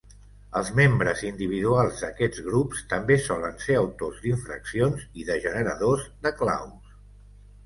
Els membres individuals d'aquests grups també solen ser autors d'infraccions i de generadors de claus.